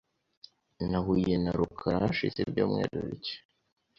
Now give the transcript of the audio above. Nahuye na rukara hashize ibyumweru bike .